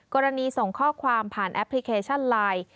กรณีส่งข้อความผ่านแอปพลิเคชันไลน์